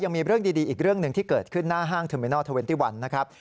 ยังมีเรื่องดีอีกเรื่องหนึ่งที่เกิดขึ้นหน้าห้างเทอร์เมนอร์๒๑นะครับ